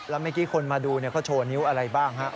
แล้วเมื่อกี้คนมาดูเขาโชว์นิ้วอะไรบ้างฮะ